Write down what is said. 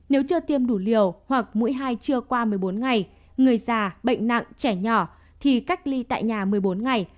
nếu chưa tiêm đủ liều hoặc mũi hai chưa qua một mươi bốn ngày người già bệnh nặng trẻ nhỏ thì cách ly tại nhà một mươi bốn ngày